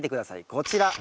こちら。